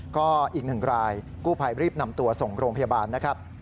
ก็อีกหนึ่งรายกู้ภัยรีบนำตัวส่งโรงพยาบาลนะครับ